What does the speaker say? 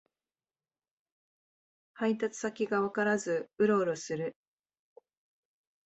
配達先がわからずウロウロする